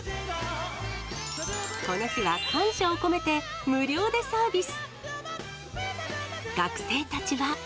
この日は感謝を込めて、無料でサービス。